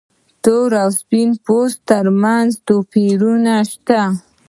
تور او سپین پوستو تر منځ توپیرونه شته.